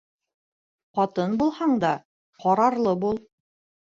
Ҡатын булһаң да, ҡарарлы бул.